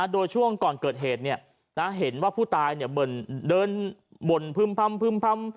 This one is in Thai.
โดยช่วงก่อนเกิดเหตุเนี่ยนะเห็นว่าผู้ตายเนี่ยเดินบ่นพึ่มพัมพึ่มพัม